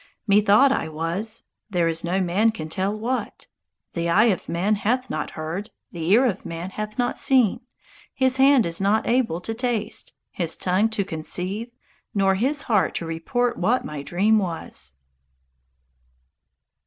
Methought I was there is no man can tell what. The eye of man hath not heard, the ear of man hath not seen, his hand is not able to taste, his tongue to conceive, nor his heart to report what my dream was."